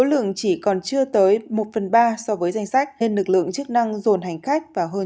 số lượng chỉ còn chưa tới một phần ba so với danh sách nên lực lượng chức năng dồn hành khách và hơn